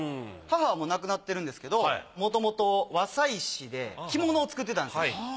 母はもう亡くなってるんですけどもともと和裁士で着物を作ってたんです。